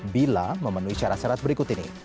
bila memenuhi syarat syarat berikut ini